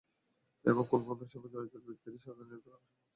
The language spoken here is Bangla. এখন খুন-গুমের সঙ্গে জড়িত ব্যক্তিদের সরকারের নিয়ন্ত্রণ রাখা সম্ভব হচ্ছে না।